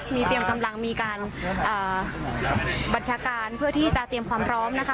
มีเตรียมกำลังมีการบัญชาการเพื่อที่จะเตรียมความพร้อมนะคะ